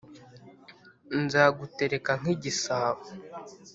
nzagutereka nk'igisabo